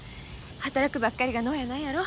働くばっかりが能やないやろ。